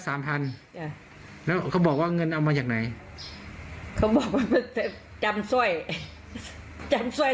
๓๐๐๐บาทเธอบอกว่าเงินเอามาจากไหนกำส่วยจำส่วย